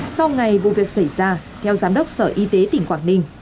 sau ngày vụ việc xảy ra theo giám đốc sở y tế tỉnh quảng ninh